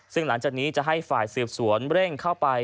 ซึ่งหลังจากนี้จะให้ฝ่ายสืบสวนเร่งเข้าไป